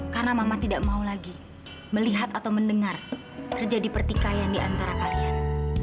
karena mama tidak mau lagi melihat atau mendengar terjadi pertikaian di antara kalian